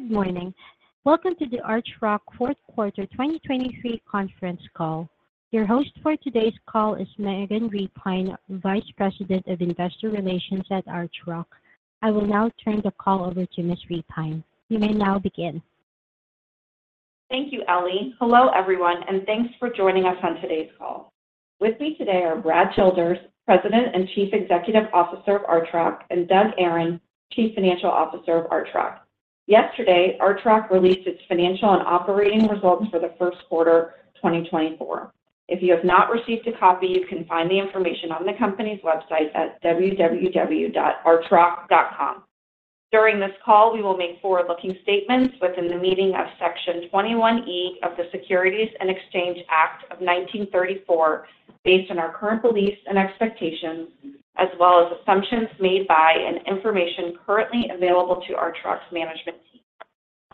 Good morning. Welcome to the Archrock fourth quarter 2023 conference call. Your host for today's call is Megan Repine, Vice President of Investor Relations at Archrock. I will now turn the call over to Ms. Repine. You may now begin. Thank you, Ellie. Hello, everyone, and thanks for joining us on today's call. With me today are Brad Childers, President and Chief Executive Officer of Archrock, and Doug Aron, Chief Financial Officer of Archrock. Yesterday, Archrock released its financial and operating results for the first quarter, 2024. If you have not received a copy, you can find the information on the company's website at www.archrock.com. During this call, we will make forward-looking statements within the meaning of Section 21E of the Securities and Exchange Act of 1934, based on our current beliefs and expectations, as well as assumptions made by and information currently available to Archrock's management team.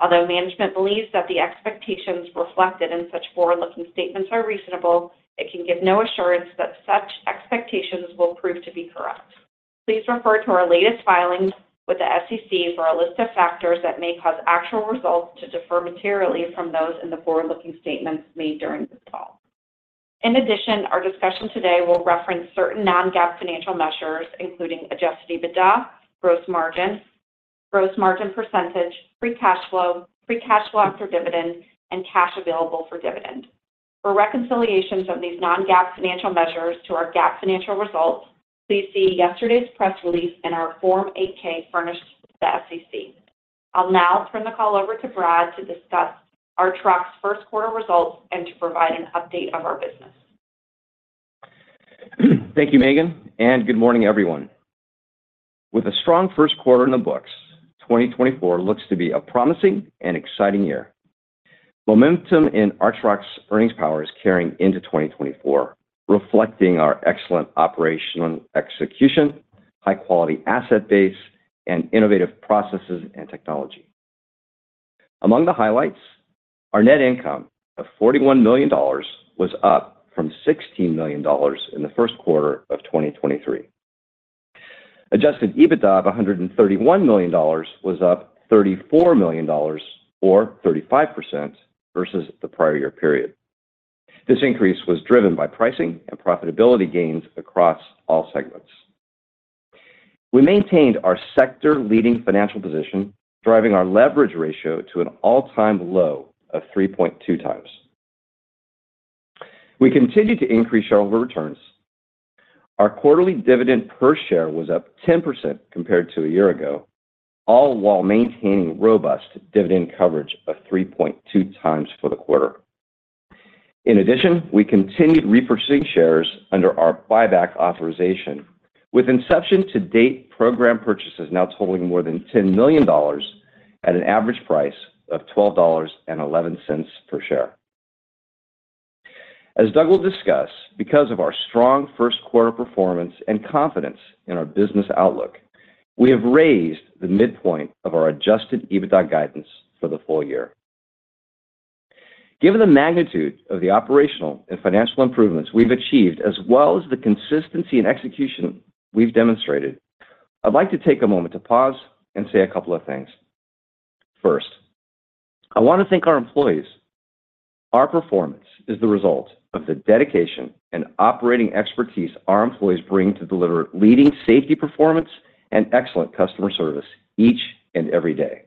Although management believes that the expectations reflected in such forward-looking statements are reasonable, it can give no assurance that such expectations will prove to be correct. Please refer to our latest filings with the SEC for a list of factors that may cause actual results to differ materially from those in the forward-looking statements made during this call. In addition, our discussion today will reference certain non-GAAP financial measures, including adjusted EBITDA, gross margin, gross margin percentage, free cash flow, free cash flow after dividends, and cash available for dividend. For reconciliations of these non-GAAP financial measures to our GAAP financial results, please see yesterday's press release and our Form 8-K furnished to the SEC. I'll now turn the call over to Brad to discuss Archrock's first quarter results and to provide an update of our business. Thank you, Megan, and good morning, everyone. With a strong first quarter in the books, 2024 looks to be a promising and exciting year. Momentum in Archrock's earnings power is carrying into 2024, reflecting our excellent operational execution, high-quality asset base, and innovative processes and technology. Among the highlights, our net income of $41 million was up from $16 million in the first quarter of 2023. Adjusted EBITDA of $131 million was up $34 million, or 35%, versus the prior year period. This increase was driven by pricing and profitability gains across all segments. We maintained our sector-leading financial position, driving our leverage ratio to an all-time low of 3.2 times. We continued to increase shareholder returns. Our quarterly dividend per share was up 10% compared to a year ago, all while maintaining robust dividend coverage of 3.2 times for the quarter. In addition, we continued repurchasing shares under our buyback authorization, with inception-to-date program purchases now totaling more than $10 million at an average price of $12.11 per share. As Doug will discuss, because of our strong first quarter performance and confidence in our business outlook, we have raised the midpoint of our adjusted EBITDA guidance for the full year. Given the magnitude of the operational and financial improvements we've achieved, as well as the consistency and execution we've demonstrated, I'd like to take a moment to pause and say a couple of things. First, I want to thank our employees. Our performance is the result of the dedication and operating expertise our employees bring to deliver leading safety performance and excellent customer service each and every day.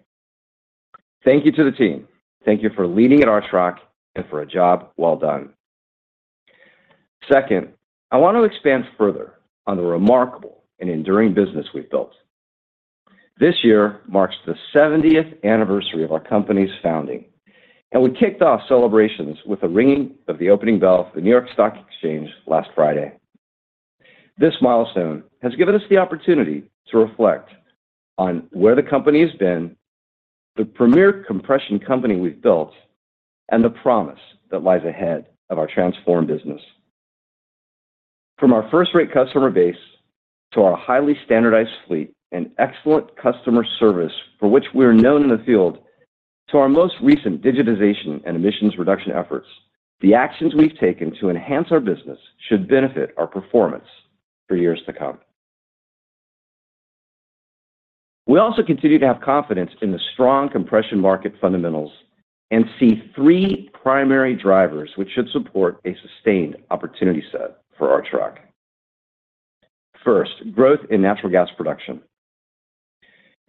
Thank you to the team. Thank you for leading at Archrock and for a job well done. Second, I want to expand further on the remarkable and enduring business we've built. This year marks the seventieth anniversary of our company's founding, and we kicked off celebrations with a ringing of the opening bell at the New York Stock Exchange last Friday. This milestone has given us the opportunity to reflect on where the company has been, the premier compression company we've built, and the promise that lies ahead of our transformed business. From our first-rate customer base to our highly standardized fleet and excellent customer service, for which we are known in the field, to our most recent digitization and emissions reduction efforts, the actions we've taken to enhance our business should benefit our performance for years to come. We also continue to have confidence in the strong compression market fundamentals and see three primary drivers, which should support a sustained opportunity set for Archrock. First, growth in natural gas production.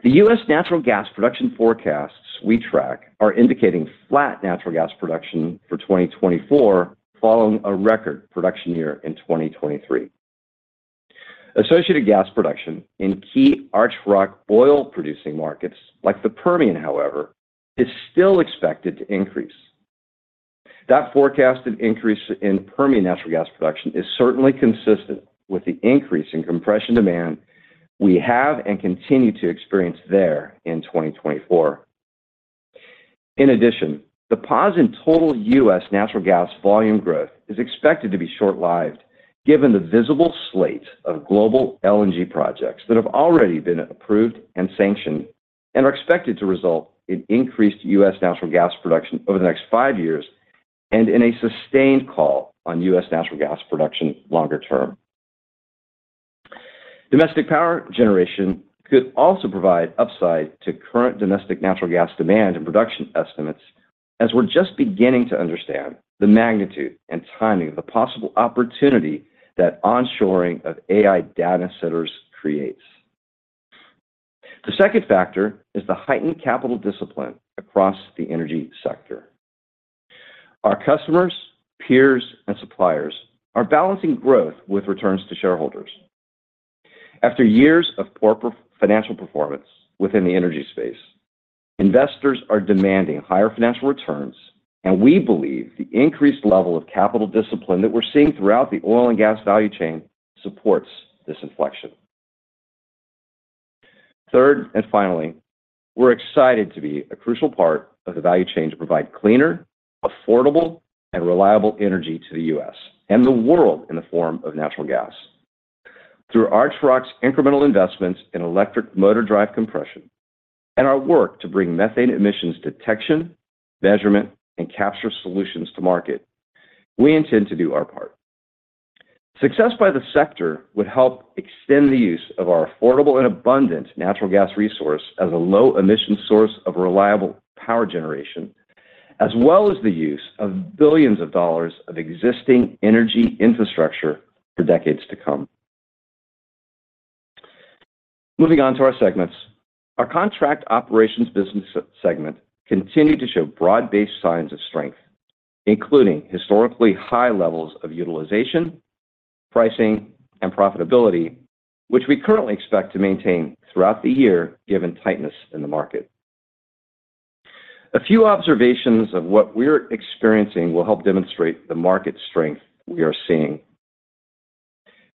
The U.S. natural gas production forecasts we track are indicating flat natural gas production for 2024, following a record production year in 2023. Associated gas production in key Archrock oil-producing markets like the Permian, however, is still expected to increase. That forecasted increase in Permian natural gas production is certainly consistent with the increase in compression demand we have and continue to experience there in 2024. In addition, the pause in total U.S. natural gas volume growth is expected to be short-lived, given the visible slate of global LNG projects that have already been approved and sanctioned and are expected to result in increased U.S. natural gas production over the next five years and in a sustained call on U.S. natural gas production longer term. Domestic power generation could also provide upside to current domestic natural gas demand and production estimates, as we're just beginning to understand the magnitude and timing of the possible opportunity that onshoring of AI data centers creates. The second factor is the heightened capital discipline across the energy sector. Our customers, peers, and suppliers are balancing growth with returns to shareholders. After years of poor financial performance within the energy space, investors are demanding higher financial returns, and we believe the increased level of capital discipline that we're seeing throughout the oil and gas value chain supports this inflection. Third, and finally, we're excited to be a crucial part of the value chain to provide cleaner, affordable, and reliable energy to the U.S. and the world in the form of natural gas. Through Archrock's incremental investments in electric motor drive compression and our work to bring methane emissions detection, measurement, and capture solutions to market, we intend to do our part. Success by the sector would help extend the use of our affordable and abundant natural gas resource as a low-emission source of reliable power generation, as well as the use of billions of dollars of existing energy infrastructure for decades to come. Moving on to our segments. Our contract operations business segment continued to show broad-based signs of strength, including historically high levels of utilization, pricing, and profitability, which we currently expect to maintain throughout the year, given tightness in the market. A few observations of what we're experiencing will help demonstrate the market strength we are seeing.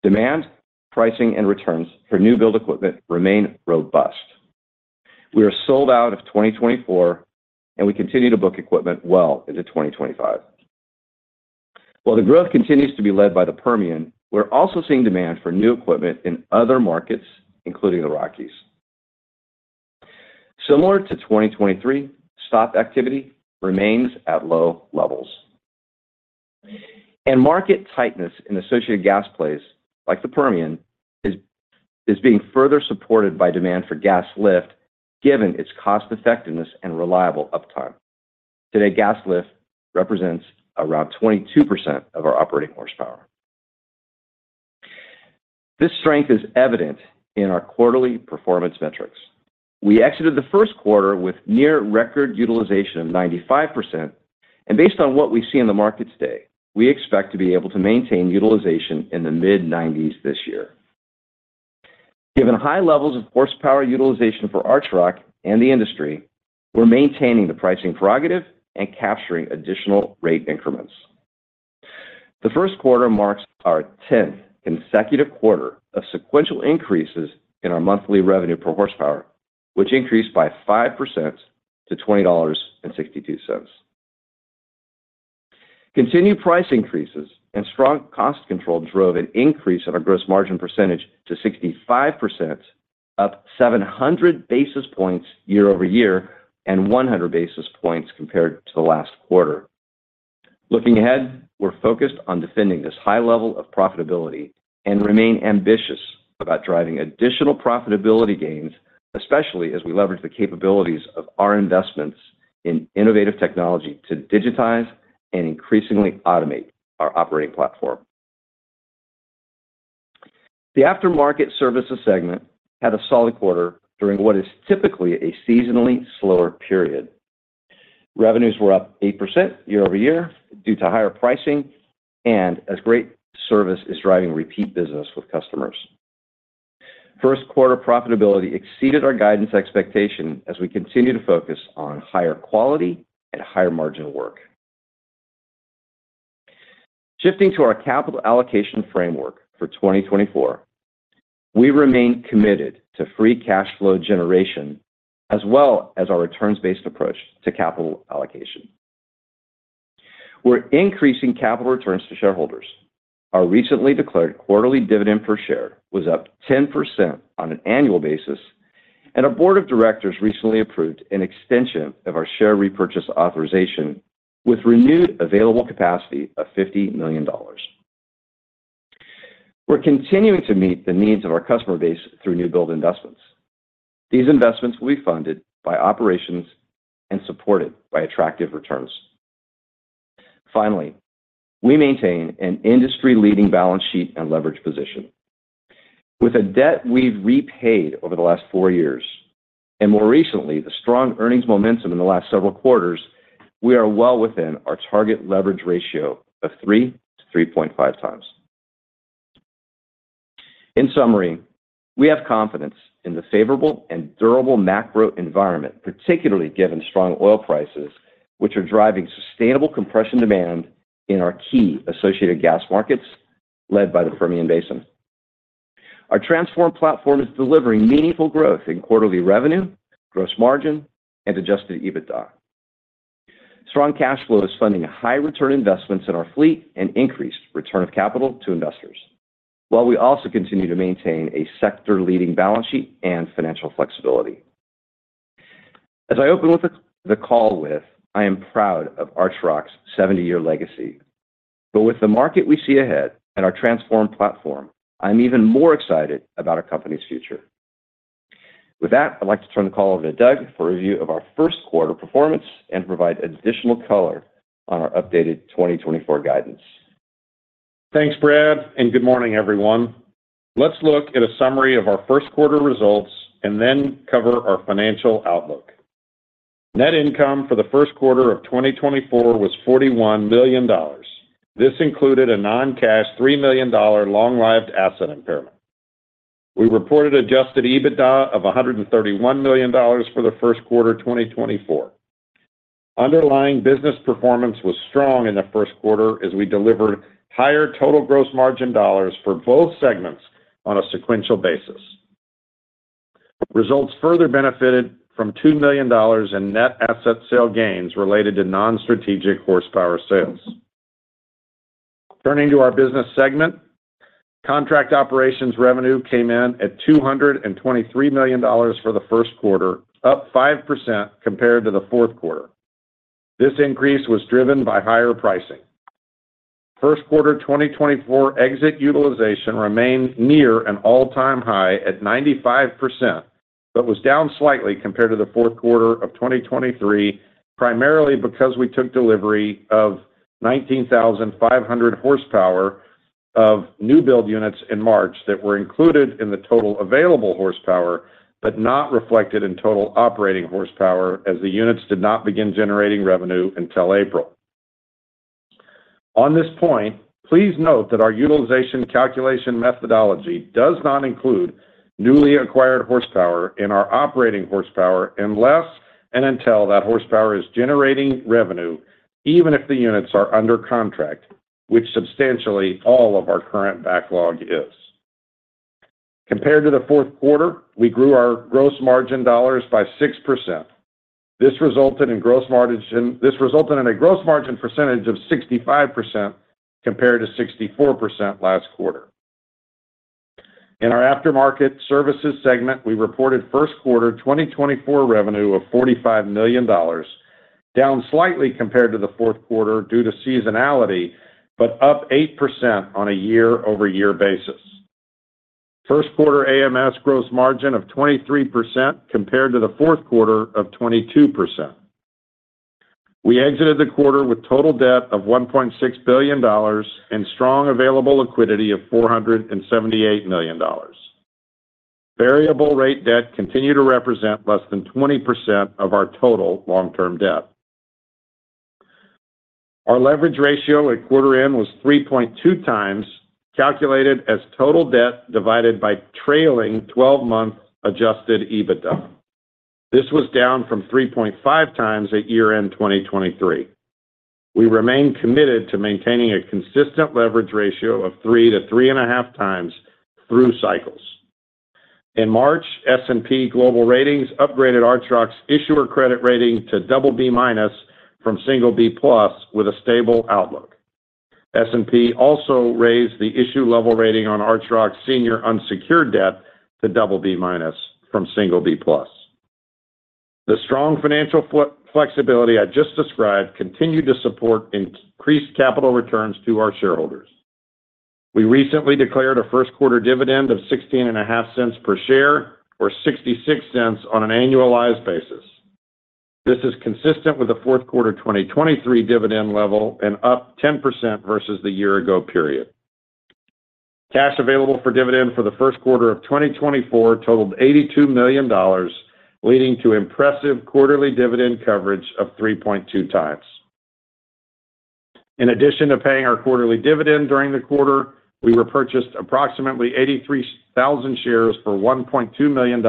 Demand, pricing, and returns for new build equipment remain robust. We are sold out of 2024, and we continue to book equipment well into 2025. While the growth continues to be led by the Permian, we're also seeing demand for new equipment in other markets, including the Rockies. Similar to 2023, stop activity remains at low levels. Market tightness in associated gas plays, like the Permian, is being further supported by demand for gas lift, given its cost-effectiveness and reliable uptime. Today, gas lift represents around 22% of our operating horsepower. This strength is evident in our quarterly performance metrics. We exited the first quarter with near record utilization of 95%, and based on what we see in the markets today, we expect to be able to maintain utilization in the mid-90s this year. Given high levels of horsepower utilization for Archrock and the industry, we're maintaining the pricing prerogative and capturing additional rate increments. The first quarter marks our 10th consecutive quarter of sequential increases in our monthly revenue per horsepower, which increased by 5% to $20.62. Continued price increases and strong cost control drove an increase in our gross margin percentage to 65%, up 700 basis points year-over-year, and 100 basis points compared to the last quarter. Looking ahead, we're focused on defending this high level of profitability and remain ambitious about driving additional profitability gains, especially as we leverage the capabilities of our investments in innovative technology to digitize and increasingly automate our operating platform. The aftermarket services segment had a solid quarter during what is typically a seasonally slower period. Revenues were up 8% year-over-year due to higher pricing and as great service is driving repeat business with customers. First quarter profitability exceeded our guidance expectation as we continue to focus on higher quality and higher marginal work. Shifting to our capital allocation framework for 2024, we remain committed to free cash flow generation, as well as our returns-based approach to capital allocation. We're increasing capital returns to shareholders. Our recently declared quarterly dividend per share was up 10% on an annual basis, and our board of directors recently approved an extension of our share repurchase authorization with renewed available capacity of $50 million. We're continuing to meet the needs of our customer base through new build investments. These investments will be funded by operations and supported by attractive returns. Finally, we maintain an industry-leading balance sheet and leverage position. With a debt we've repaid over the last 4 years, and more recently, the strong earnings momentum in the last several quarters, we are well within our target leverage ratio of 3-3.5 times. In summary, we have confidence in the favorable and durable macro environment, particularly given strong oil prices, which are driving sustainable compression demand in our key associated gas markets, led by the Permian Basin. Our transformed platform is delivering meaningful growth in quarterly revenue, gross margin, and adjusted EBITDA. Strong cash flow is funding high-return investments in our fleet and increased return of capital to investors, while we also continue to maintain a sector-leading balance sheet and financial flexibility. As I opened the call with, I am proud of Archrock's 70-year legacy. But with the market we see ahead and our transformed platform, I'm even more excited about our company's future. With that, I'd like to turn the call over to Doug for a review of our first quarter performance and provide additional color on our updated 2024 guidance. Thanks, Brad, and good morning, everyone. Let's look at a summary of our first quarter results and then cover our financial outlook. Net income for the first quarter of 2024 was $41 million. This included a non-cash $3 million long-lived asset impairment. We reported Adjusted EBITDA of $131 million for the first quarter, 2024. Underlying business performance was strong in the first quarter as we delivered higher total gross margin dollars for both segments on a sequential basis. Results further benefited from $2 million in net asset sale gains related to non-strategic horsepower sales. Turning to our business segment, contract operations revenue came in at $223 million for the first quarter, up 5% compared to the fourth quarter. This increase was driven by higher pricing. First quarter 2024 exit utilization remained near an all-time high at 95%, but was down slightly compared to the fourth quarter of 2023, primarily because we took delivery of 19,500 horsepower of new build units in March that were included in the total available horsepower, but not reflected in total operating horsepower as the units did not begin generating revenue until April. On this point, please note that our utilization calculation methodology does not include newly acquired horsepower in our operating horsepower unless and until that horsepower is generating revenue, even if the units are under contract, which substantially all of our current backlog is. Compared to the fourth quarter, we grew our gross margin dollars by 6%. This resulted in a gross margin percentage of 65% compared to 64% last quarter. In our aftermarket services segment, we reported first quarter 2024 revenue of $45 million, down slightly compared to the fourth quarter due to seasonality, but up 8% on a year-over-year basis. First quarter AMS gross margin of 23% compared to the fourth quarter of 22%. We exited the quarter with total debt of $1.6 billion and strong available liquidity of $478 million. Variable rate debt continued to represent less than 20% of our total long-term debt. Our leverage ratio at quarter end was 3.2x, calculated as total debt divided by trailing 12-month Adjusted EBITDA. This was down from 3.5x at year-end 2023. We remain committed to maintaining a consistent leverage ratio of 3-3.5x through cycles. In March, S&P Global Ratings upgraded Archrock's issuer credit rating to double B minus from single B plus with a stable outlook. S&P also raised the issue level rating on Archrock's senior unsecured debt to double B minus from single B plus. The strong financial flexibility I just described continued to support increased capital returns to our shareholders. We recently declared a first quarter dividend of $0.165 per share, or $0.66 on an annualized basis. This is consistent with the fourth quarter 2023 dividend level and up 10% versus the year-ago period. Cash available for dividend for the first quarter of 2024 totaled $82 million, leading to impressive quarterly dividend coverage of 3.2 times. In addition to paying our quarterly dividend during the quarter, we repurchased approximately 83,000 shares for $1.2 million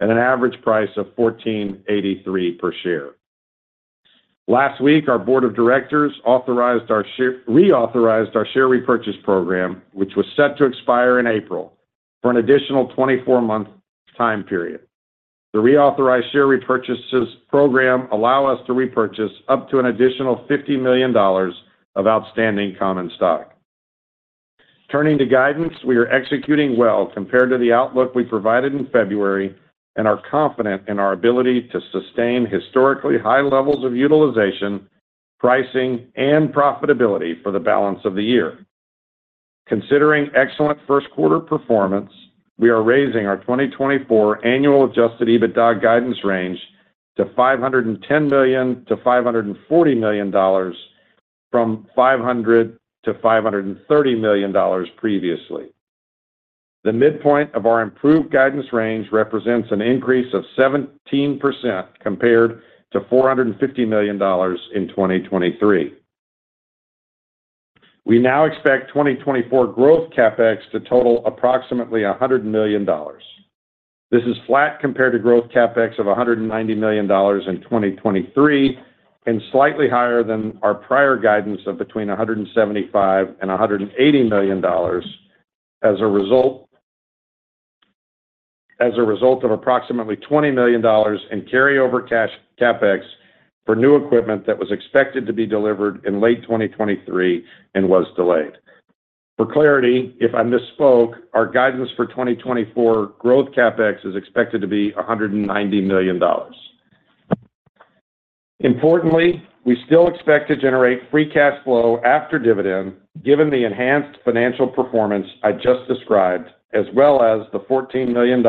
at an average price of $14.83 per share. Last week, our board of directors reauthorized our share repurchase program, which was set to expire in April, for an additional 24-month time period. The reauthorized share repurchase program allows us to repurchase up to an additional $50 million of outstanding common stock. Turning to guidance, we are executing well compared to the outlook we provided in February, and are confident in our ability to sustain historically high levels of utilization, pricing, and profitability for the balance of the year. Considering excellent first quarter performance, we are raising our 2024 annual Adjusted EBITDA guidance range to $510 million-$540 million, from $500 million-$530 million previously. The midpoint of our improved guidance range represents an increase of 17% compared to $450 million in 2023. We now expect 2024 growth CapEx to total approximately $100 million. This is flat compared to growth CapEx of $190 million in 2023, and slightly higher than our prior guidance of between $175 million and $180 million, as a result of approximately $20 million in carryover cash CapEx for new equipment that was expected to be delivered in late 2023 and was delayed.... For clarity, if I misspoke, our guidance for 2024 growth CapEx is expected to be $190 million. Importantly, we still expect to generate free cash flow after dividend, given the enhanced financial performance I just described, as well as the $14 million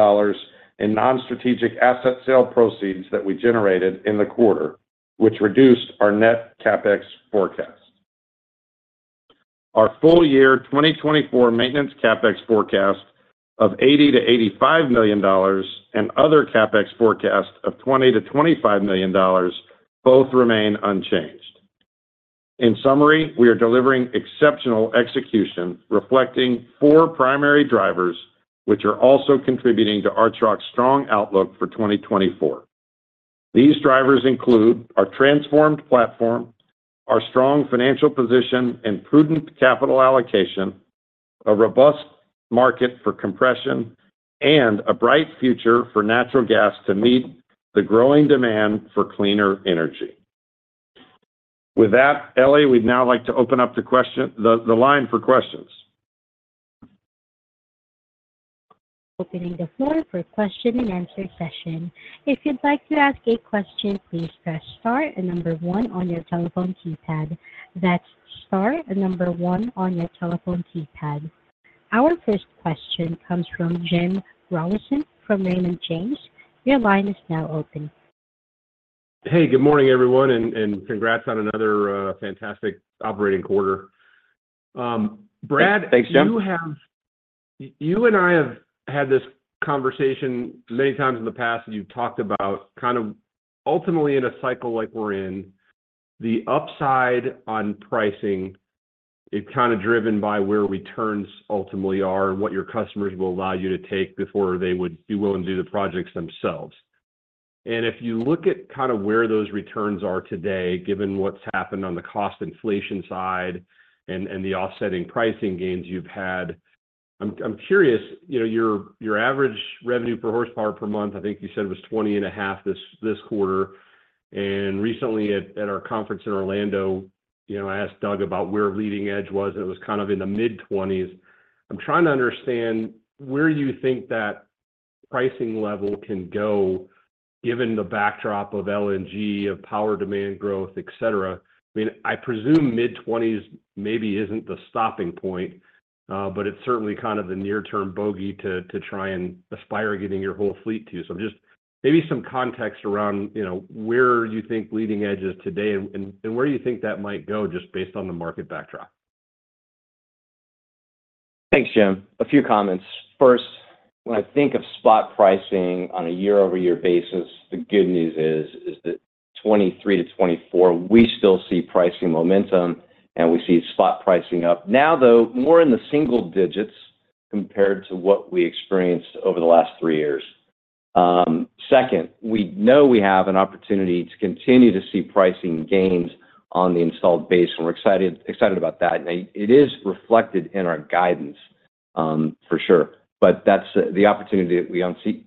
in non-strategic asset sale proceeds that we generated in the quarter, which reduced our net CapEx forecast. Our full year 2024 maintenance CapEx forecast of $80 million-$85 million and other CapEx forecast of $20million-$25 million both remain unchanged. In summary, we are delivering exceptional execution, reflecting four primary drivers, which are also contributing to Archrock's strong outlook for 2024. These drivers include our transformed platform, our strong financial position and prudent capital allocation, a robust market for compression, and a bright future for natural gas to meet the growing demand for cleaner energy. With that, Ellie, we'd now like to open up the line for questions. Opening the floor for question-and-answer session. If you'd like to ask a question, please press star and 1 on your telephone keypad. That's star and 1 on your telephone keypad. Our first question comes from Jim Rollyson from Raymond James. Your line is now open. Hey, good morning, everyone, and congrats on another fantastic operating quarter. Brad- Thanks, Jim. You have, you and I have had this conversation many times in the past, and you've talked about kind of ultimately in a cycle like we're in, the upside on pricing is kind of driven by where returns ultimately are and what your customers will allow you to take before they would be willing to do the projects themselves. If you look at kind of where those returns are today, given what's happened on the cost inflation side and the offsetting pricing gains you've had, I'm, I'm curious, you know, your, your average revenue per horsepower per month. I think you said it was 20.5 this, this quarter. Recently at our conference in Orlando, you know, I asked Doug about where leading edge was, and it was kind of in the mid-20s. I'm trying to understand where you think that pricing level can go, given the backdrop of LNG, of power demand growth, et cetera. I mean, I presume mid-20s maybe isn't the stopping point, but it's certainly kind of the near-term bogey to try and aspire getting your whole fleet to. So just maybe some context around, you know, where you think leading edge is today and where you think that might go, just based on the market backdrop. Thanks, Jim. A few comments. First, when I think of spot pricing on a year-over-year basis, the good news is that 2023-2024, we still see pricing momentum, and we see spot pricing up. Now, though, more in the single digits compared to what we experienced over the last three years. Second, we know we have an opportunity to continue to see pricing gains on the installed base, and we're excited about that. And it is reflected in our guidance, for sure. But that's the opportunity that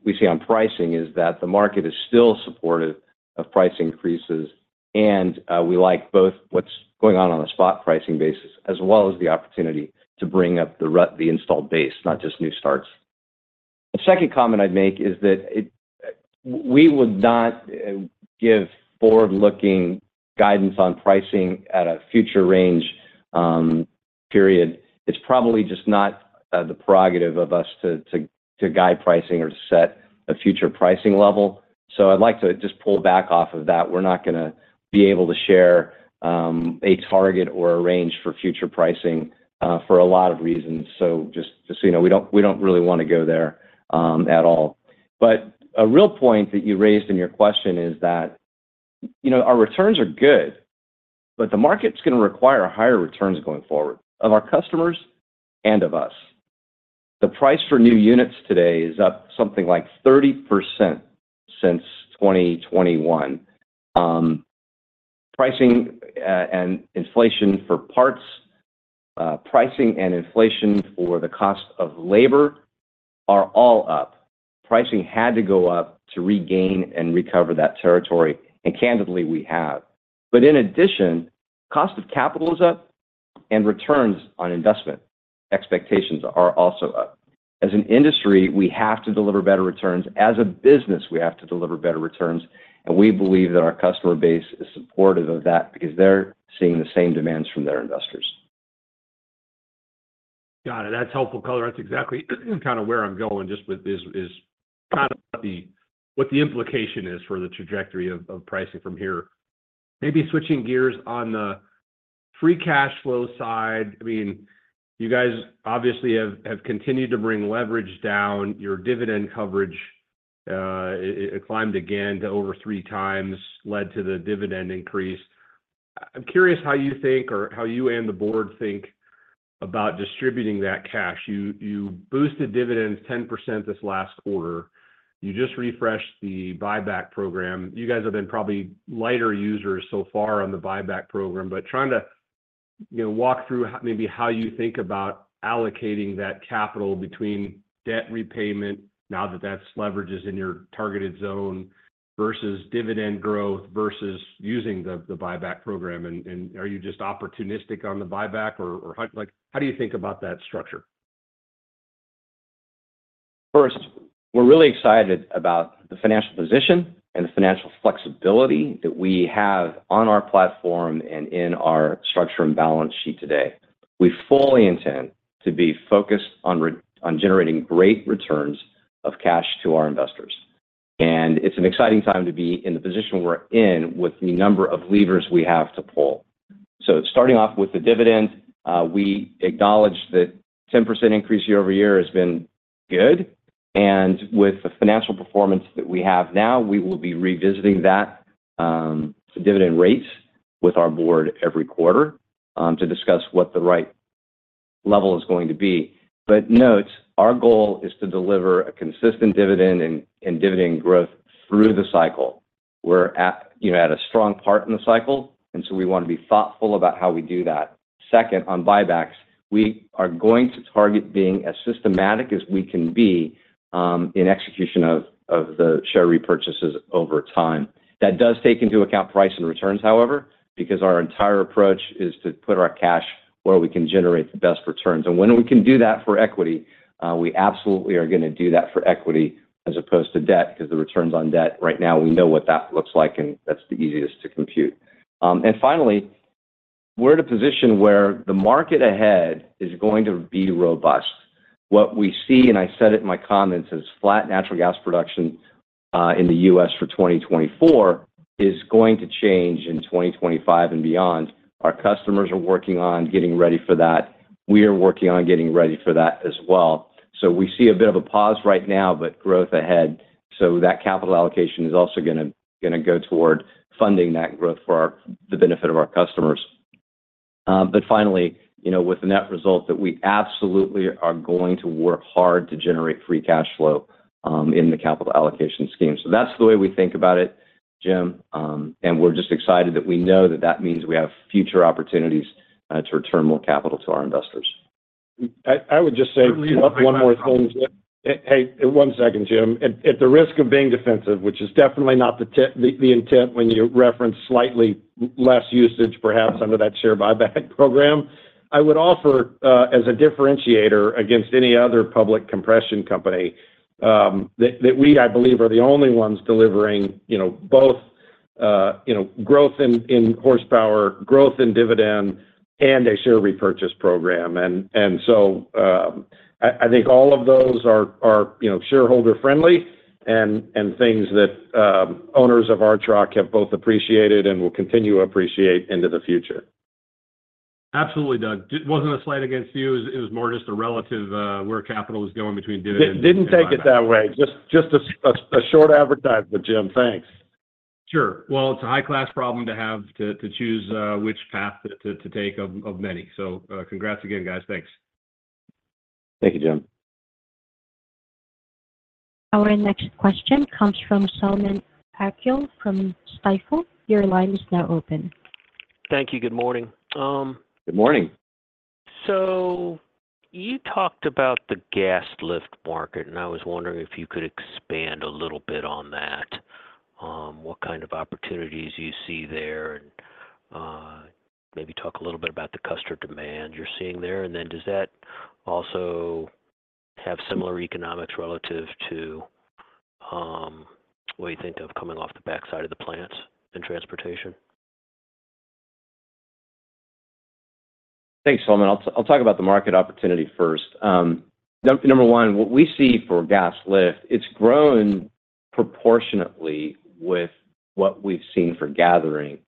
we see on pricing, is that the market is still supportive of price increases, and we like both what's going on on the spot pricing basis, as well as the opportunity to bring up the rate, the installed base, not just new starts. The second comment I'd make is that we would not give forward-looking guidance on pricing at a future range, period. It's probably just not the prerogative of us to guide pricing or to set a future pricing level. So I'd like to just pull back off of that. We're not gonna be able to share a target or a range for future pricing for a lot of reasons. So just, just so you know, we don't, we don't really want to go there at all. But a real point that you raised in your question is that, you know, our returns are good, but the market's gonna require higher returns going forward of our customers and of us. The price for new units today is up something like 30% since 2021. Pricing, and inflation for parts, pricing and inflation for the cost of labor are all up. Pricing had to go up to regain and recover that territory, and candidly, we have. In addition, cost of capital is up, and returns on investment expectations are also up. As an industry, we have to deliver better returns. As a business, we have to deliver better returns, and we believe that our customer base is supportive of that because they're seeing the same demands from their investors. Got it. That's helpful color. That's exactly kind of where I'm going, just with this, is kind of the, what the implication is for the trajectory of, of pricing from here. Maybe switching gears on the free cash flow side, I mean, you guys obviously have continued to bring leverage down. Your dividend coverage, it climbed again to over 3x, led to the dividend increase. I'm curious how you think or how you and the board think about distributing that cash. You boosted dividends 10% this last quarter. You just refreshed the buyback program. You guys have been probably lighter users so far on the buyback program, but trying to, you know, walk through maybe how you think about allocating that capital between debt repayment, now that that's leverage is in your targeted zone, versus dividend growth, versus using the buyback program. Are you just opportunistic on the buyback or how, like, how do you think about that structure?... First, we're really excited about the financial position and the financial flexibility that we have on our platform and in our structure and balance sheet today. We fully intend to be focused on generating great returns of cash to our investors. And it's an exciting time to be in the position we're in with the number of levers we have to pull. So starting off with the dividend, we acknowledge that 10% increase year-over-year has been good, and with the financial performance that we have now, we will be revisiting that dividend rate with our board every quarter to discuss what the right level is going to be. But note, our goal is to deliver a consistent dividend and dividend growth through the cycle. We're at, you know, at a strong part in the cycle, and so we wanna be thoughtful about how we do that. Second, on buybacks, we are going to target being as systematic as we can be in execution of the share repurchases over time. That does take into account price and returns, however, because our entire approach is to put our cash where we can generate the best returns. And when we can do that for equity, we absolutely are gonna do that for equity as opposed to debt, because the returns on debt right now, we know what that looks like, and that's the easiest to compute. And finally, we're in a position where the market ahead is going to be robust. What we see, and I said it in my comments, is flat natural gas production in the U.S. for 2024 is going to change in 2025 and beyond. Our customers are working on getting ready for that. We are working on getting ready for that as well. So we see a bit of a pause right now, but growth ahead, so that capital allocation is also gonna go toward funding that growth for the benefit of our customers. But finally, you know, with the net result, that we absolutely are going to work hard to generate free cash flow in the capital allocation scheme. So that's the way we think about it, Jim. And we're just excited that we know that that means we have future opportunities to return more capital to our investors. I would just say one more thing. Hey, one second, Jim. At the risk of being defensive, which is definitely not the intent when you reference slightly less usage, perhaps under that share buyback program, I would offer, as a differentiator against any other public compression company, that we, I believe, are the only ones delivering, you know, both, you know, growth in horsepower, growth in dividend, and a share repurchase program. And so, I think all of those are, you know, shareholder-friendly and things that owners of Archrock have both appreciated and will continue to appreciate into the future. Absolutely, Doug. It wasn't a slight against you. It was more just a relative where capital was going between dividend- Didn't take it that way. Just a short advertisement, Jim. Thanks. Sure. Well, it's a high-class problem to have to take of many. So, congrats again, guys. Thanks. Thank you, Jim. Our next question comes from Selman Akyol from Stifel. Your line is now open. Thank you. Good morning. Good morning. So you talked about the gas lift market, and I was wondering if you could expand a little bit on that, what kind of opportunities do you see there, and maybe talk a little bit about the customer demand you're seeing there? And then does that also have similar economics relative to what you think of coming off the backside of the plants and transportation? Thanks, Selman. I'll talk about the market opportunity first. Number one, what we see for gas lift, it's grown proportionately with what we've seen for gathering.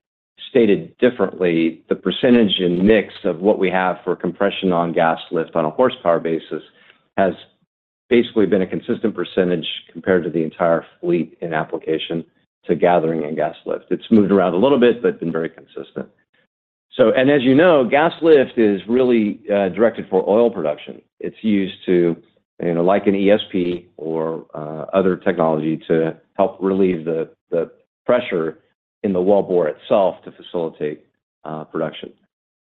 Stated differently, the percentage and mix of what we have for compression on gas lift on a horsepower basis has basically been a consistent percentage compared to the entire fleet in application to gathering and gas lift. It's moved around a little bit, but been very consistent. So... And as you know, gas lift is really directed for oil production. It's used to, you know, like an ESP or other technology, to help relieve the pressure in the wellbore itself to facilitate production.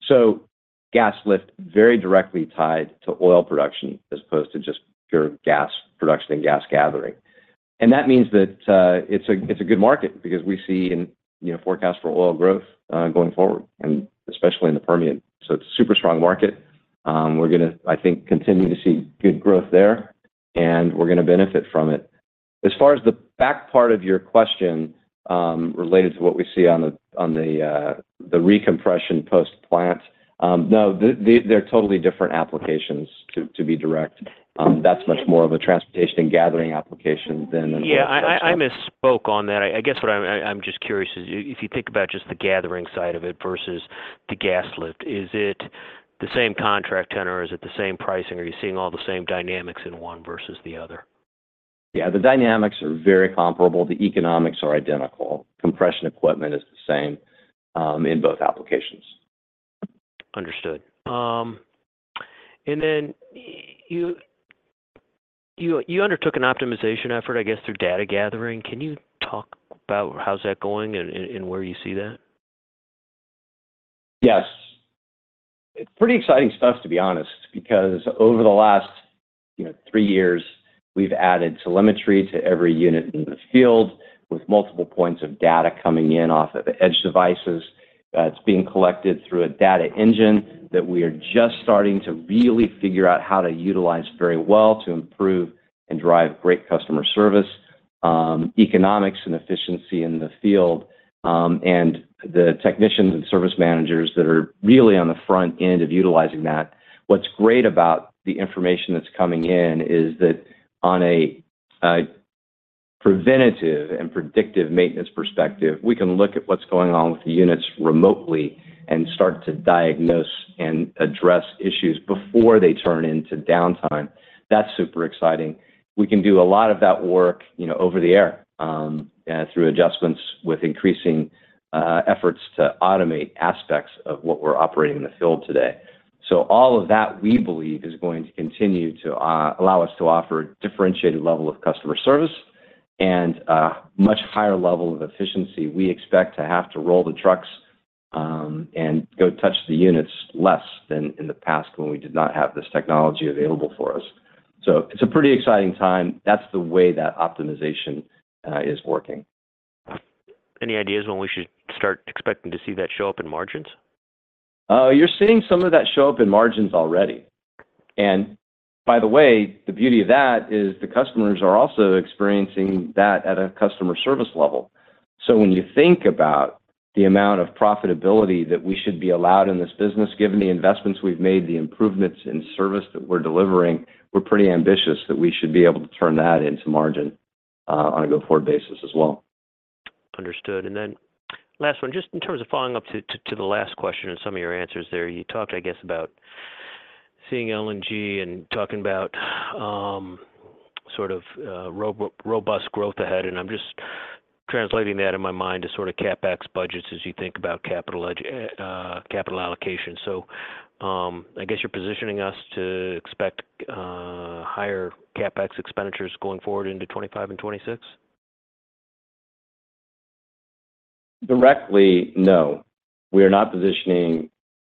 So gas lift, very directly tied to oil production as opposed to just pure gas production and gas gathering. And that means that it's a good market because we see in, you know, forecast for oil growth going forward, and especially in the Permian. So it's a super strong market. We're gonna, I think, continue to see good growth there, and we're gonna benefit from it. As far as the back part of your question, related to what we see on the recompression post-plant, no, the-- they're totally different applications, to be direct. That's much more of a transportation and gathering application than- Yeah, I misspoke on that. I guess what I'm just curious is, if you think about just the gathering side of it versus the gas lift, is it the same contract tenor? Is it the same pricing? Are you seeing all the same dynamics in one versus the other? Yeah, the dynamics are very comparable. The economics are identical. Compression equipment is the same in both applications. Understood. And then you undertook an optimization effort, I guess, through data gathering. Can you talk about how's that going and where you see that? Yes. It's pretty exciting stuff, to be honest, because over the last, you know, three years, we've added telemetry to every unit in the field, with multiple points of data coming in off of the edge devices. That's being collected through a data engine that we are just starting to really figure out how to utilize very well to improve and drive great customer service, economics and efficiency in the field, and the technicians and service managers that are really on the front end of utilizing that. What's great about the information that's coming in, is that on a preventative and predictive maintenance perspective, we can look at what's going on with the units remotely and start to diagnose and address issues before they turn into downtime. That's super exciting. We can do a lot of that work, you know, over the air through adjustments with increasing efforts to automate aspects of what we're operating in the field today. So all of that, we believe, is going to continue to allow us to offer a differentiated level of customer service and a much higher level of efficiency. We expect to have to roll the trucks and go touch the units less than in the past when we did not have this technology available for us. So it's a pretty exciting time. That's the way that optimization is working. Any ideas when we should start expecting to see that show up in margins? You're seeing some of that show up in margins already. By the way, the beauty of that is the customers are also experiencing that at a customer service level. So when you think about the amount of profitability that we should be allowed in this business, given the investments we've made, the improvements in service that we're delivering, we're pretty ambitious that we should be able to turn that into margin, on a go-forward basis as well. Understood. And then last one, just in terms of following up to the last question and some of your answers there, you talked, I guess, about seeing LNG and talking about sort of robust growth ahead, and I'm just translating that in my mind to sort of CapEx budgets as you think about capital allocation. So, I guess you're positioning us to expect higher CapEx expenditures going forward into 2025 and 2026? Directly, no. We are not positioning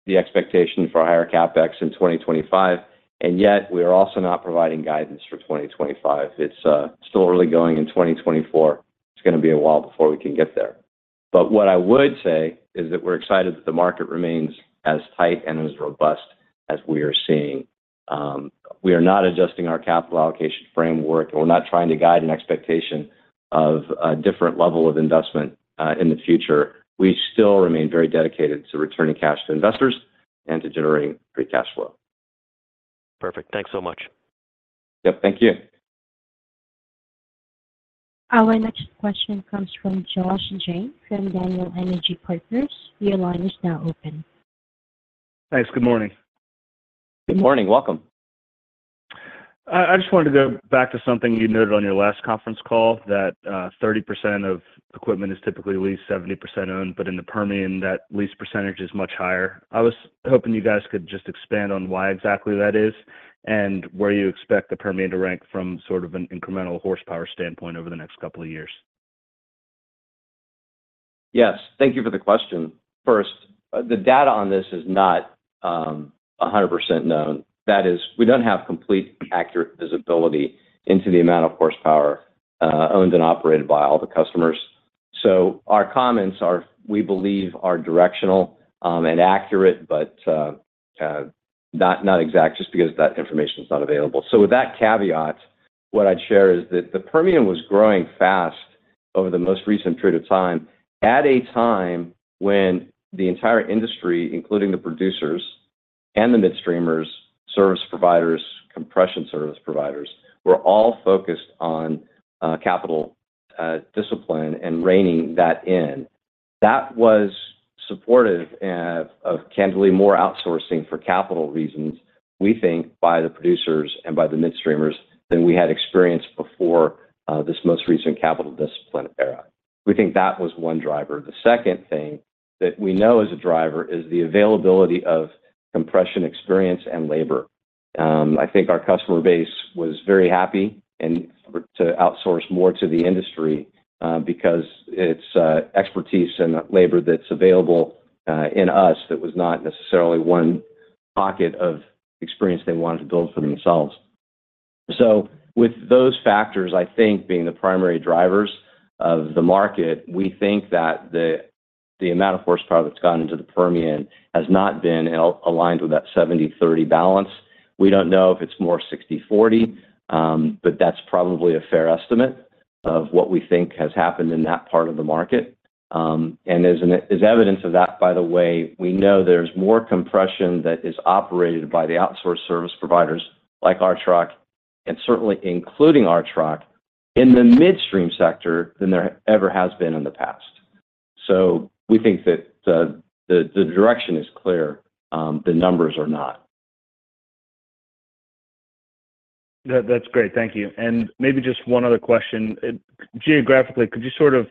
the expectation for higher CapEx in 2025, and yet we are also not providing guidance for 2025. It's still early going in 2024. It's gonna be a while before we can get there. But what I would say is that we're excited that the market remains as tight and as robust as we are seeing. We are not adjusting our capital allocation framework, and we're not trying to guide an expectation of a different level of investment in the future. We still remain very dedicated to returning cash to investors and to generating free cash flow. Perfect. Thanks so much. Yep, thank you. Our next question comes from Josh Jayne from Daniel Energy Partners. Your line is now open. Thanks. Good morning. Good morning. Welcome. I just wanted to go back to something you noted on your last conference call, that 30% of equipment is typically leased, 70% owned, but in the Permian, that lease percentage is much higher. I was hoping you guys could just expand on why exactly that is, and where you expect the Permian to rank from sort of an incremental horsepower standpoint over the next couple of years. Yes. Thank you for the question. First, the data on this is not 100% known. That is, we don't have complete accurate visibility into the amount of horsepower owned and operated by all the customers. So our comments are, we believe, are directional and accurate, but not exact, just because that information is not available. So with that caveat, what I'd share is that the Permian was growing fast over the most recent period of time, at a time when the entire industry, including the producers and the midstreamers, service providers, compression service providers, were all focused on capital discipline and reining that in. That was supportive of candidly, more outsourcing for capital reasons, we think, by the producers and by the midstreamers than we had experienced before this most recent capital discipline era. We think that was one driver. The second thing that we know as a driver is the availability of compression, experience, and labor. I think our customer base was very happy and to outsource more to the industry, because it's expertise and labor that's available in-house that was not necessarily one pocket of experience they wanted to build for themselves. So with those factors, I think being the primary drivers of the market, we think that the amount of horsepower that's gone into the Permian has not been aligned with that 70/30 balance. We don't know if it's more 60/40, but that's probably a fair estimate of what we think has happened in that part of the market. And as evidence of that, by the way, we know there's more compression that is operated by the outsource service providers, like Archrock, and certainly including Archrock, in the midstream sector than there ever has been in the past. So we think that the direction is clear, the numbers are not. That, that's great. Thank you. And maybe just one other question. Geographically, could you sort of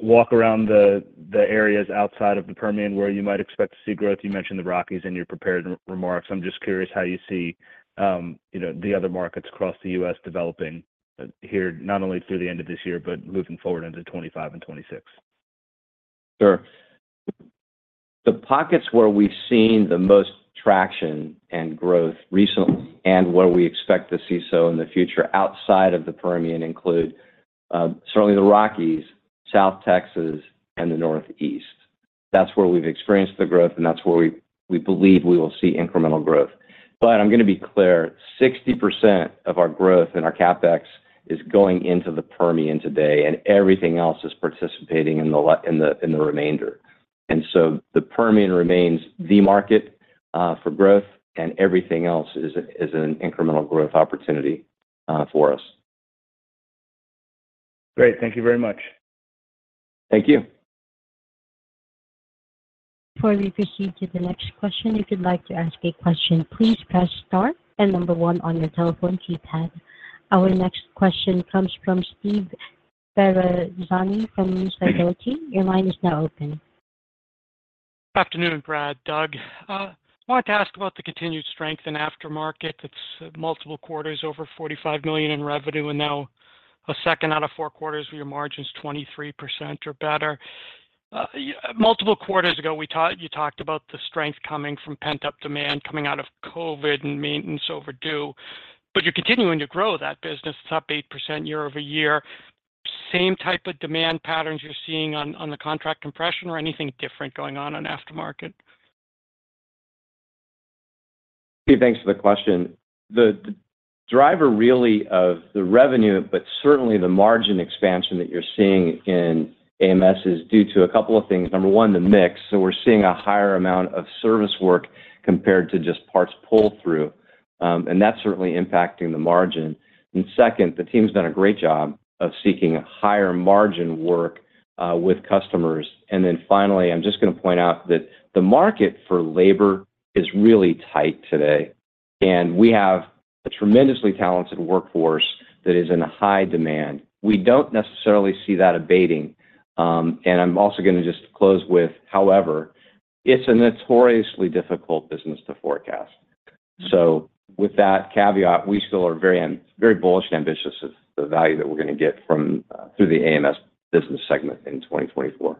walk around the areas outside of the Permian where you might expect to see growth? You mentioned the Rockies in your prepared remarks. I'm just curious how you see you know, the other markets across the U.S. developing here, not only through the end of this year, but moving forward into 25 and 26. The pockets where we've seen the most traction and growth recently, and where we expect to see so in the future outside of the Permian, include certainly the Rockies, South Texas, and the Northeast. That's where we've experienced the growth, and that's where we believe we will see incremental growth. But I'm gonna be clear, 60% of our growth and our CapEx is going into the Permian today, and everything else is participating in the remainder. And so the Permian remains the market for growth, and everything else is an incremental growth opportunity for us. Great. Thank you very much. Thank you. Before we proceed to the next question, if you'd like to ask a question, please press star and number one on your telephone keypad. Our next question comes from Stephen Ferazani from Sidoti & Company. Your line is now open. Good afternoon, Brad, Doug. I wanted to ask about the continued strength in aftermarket. It's multiple quarters, over $45 million in revenue, and now a second out of four quarters where your margin's 23% or better. Multiple quarters ago, we talked—you talked about the strength coming from pent-up demand coming out of COVID and maintenance overdue, but you're continuing to grow that business. It's up 8% year-over-year. Same type of demand patterns you're seeing on the contract compression or anything different going on in aftermarket? Steve, thanks for the question. The driver really of the revenue, but certainly the margin expansion that you're seeing in AMS, is due to a couple of things. Number one, the mix. So we're seeing a higher amount of service work compared to just parts pull-through, and that's certainly impacting the margin. And second, the team's done a great job of seeking higher margin work with customers. And then finally, I'm just gonna point out that the market for labor is really tight today, and we have a tremendously talented workforce that is in high demand. We don't necessarily see that abating. And I'm also gonna just close with, however, it's a notoriously difficult business to forecast. So with that caveat, we still are very bullish and ambitious of the value that we're gonna get from through the AMS business segment in 2024.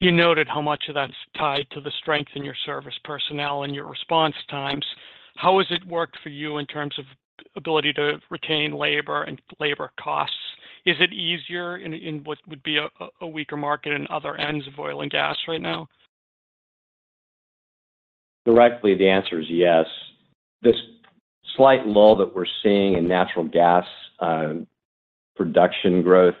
You noted how much of that's tied to the strength in your service personnel and your response times. How has it worked for you in terms of ability to retain labor and labor costs? Is it easier in what would be a weaker market in other ends of oil and gas right now? Directly, the answer is yes. This slight lull that we're seeing in natural gas production growth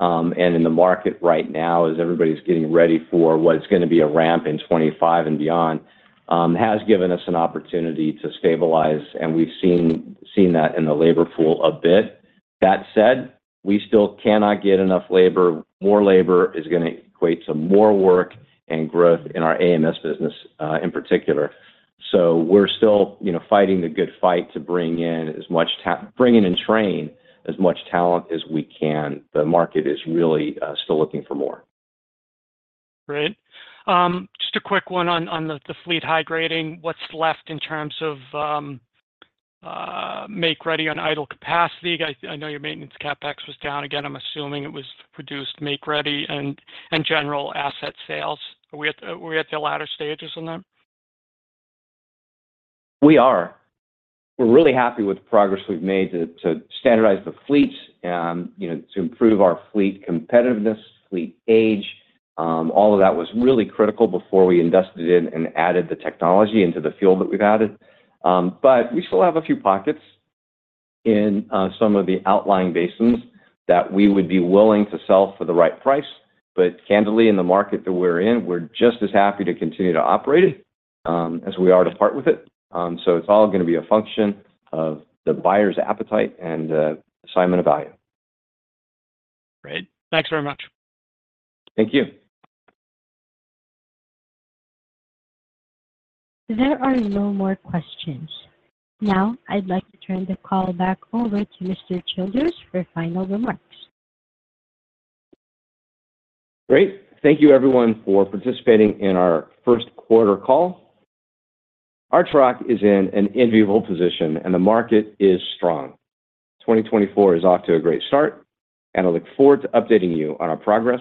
and in the market right now, as everybody's getting ready for what's gonna be a ramp in 25 and beyond, has given us an opportunity to stabilize, and we've seen that in the labor pool a bit. That said, we still cannot get enough labor. More labor is gonna equate to more work and growth in our AMS business, in particular. So we're still, you know, fighting the good fight to bring in and train as much talent as we can. The market is really still looking for more. Great. Just a quick one on the fleet high grading. What's left in terms of make ready on idle capacity? I know your maintenance CapEx was down again. I'm assuming it was reduced make ready and general asset sales. Are we at the latter stages on that? We are. We're really happy with the progress we've made to standardize the fleets and, you know, to improve our fleet competitiveness, fleet age. All of that was really critical before we invested in and added the technology into the field that we've added. But we still have a few pockets in some of the outlying basins that we would be willing to sell for the right price. But candidly, in the market that we're in, we're just as happy to continue to operate it as we are to part with it. So it's all gonna be a function of the buyer's appetite and assignment of value. Great. Thanks very much. Thank you. There are no more questions. Now, I'd like to turn the call back over to Mr. Childers for final remarks. Great. Thank you, everyone, for participating in our first quarter call. Archrock is in an enviable position, and the market is strong. 2024 is off to a great start, and I look forward to updating you on our progress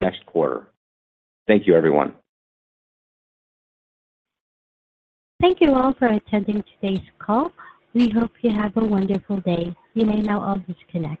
next quarter. Thank you, everyone. Thank you all for attending today's call. We hope you have a wonderful day. You may now all disconnect.